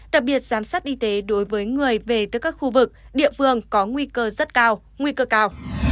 đặc biệt giám sát y tế đối với người về từ các khu vực địa phương có nguy cơ rất cao nguy cơ cao